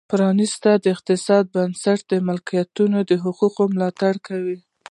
پرانیستي اقتصادي بنسټونه د مالکیت د حقونو ملاتړ کوي.